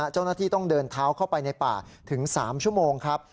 เจ้าหน้าที่ต้องเดินเท้าเข้าไปในป่าถึง๓ชั่วโมงครับ